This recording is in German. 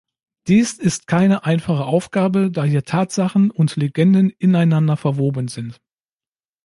Dies ist keine einfache Aufgabe, da hier Tatsachen und Legenden ineinander verwoben sind.